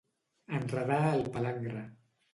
Enredar el palangre.